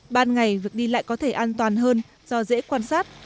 ban ngày việc đi lại có thể an toàn hơn do dễ quan sát